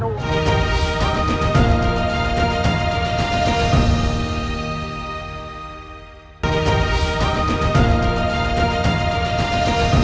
dibuat oleh dg bintang